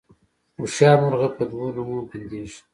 هوښیار مرغه په دوو لومو بندیږي